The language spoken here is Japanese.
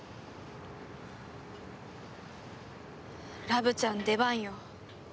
ラブちゃん出番よ。